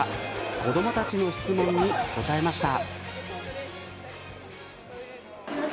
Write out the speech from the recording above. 子どもたちの質問に答えました。